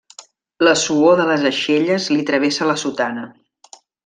La suor de les aixelles li travessa la sotana.